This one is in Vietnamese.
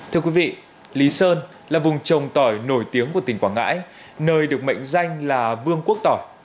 thưa quý vị lý sơn là vùng trồng tỏi nổi tiếng của tỉnh quảng ngãi nơi được mệnh danh là vương quốc tỏ